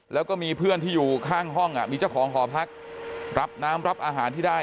แล้วก็มีเพื่อนที่อยู่ข้างห้องมีเจ้าของหอพักรับน้ำรับอาหารที่ได้